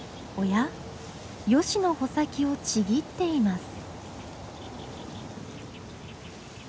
ヨシの穂先をちぎっています。